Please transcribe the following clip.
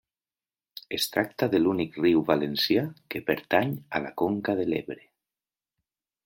Es tracta de l'únic riu valencià que pertany a la conca de l'Ebre.